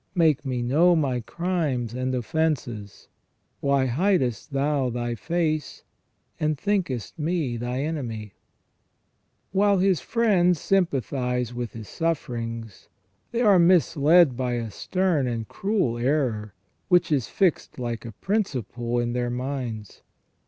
Make me know my crimes and offences. Why hidest Thou Thy face, and thinkest me Thy enemy ?" While his friends sympathize with his sufferings, they are misled by a stern and cruel error, which is fixed like a principle in their minds.